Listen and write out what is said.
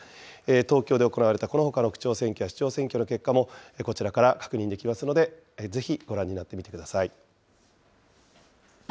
東京で行われたこのほかの区長選挙や市長選挙の結果も、こちらから確認できますので、ぜひご覧になってみてください。